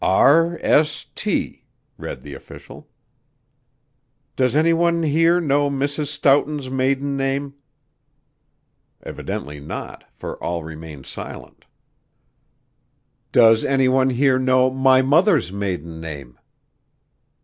"R. S. T.," read the official. "Does any one here know Mrs. Stoughton's maiden name?" Evidently not, for all remained silent. "Does any one here know my mother's maiden name?"